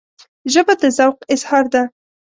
ژبه د ذوق اظهار ده